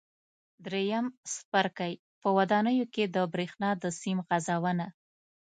درېیم څپرکی: په ودانیو کې د برېښنا د سیم غځونه